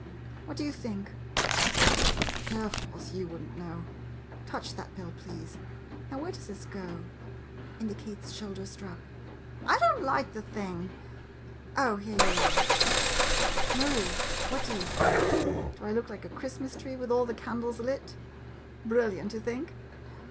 What do you think — oh, of course, you would n't know. Touch that bell, please. Now, where does this go ? [Indicates shoul der strap.] I don't like the thing! Oh, here you are — Marie, what do you think? Do I look like a Christmas tree with all the candles lit? Brilliant, you think?